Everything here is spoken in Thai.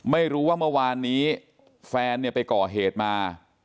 ไม่รู้ว่าเมื่อวานนี้แฟนเนี่ยไปก่อเหตุมา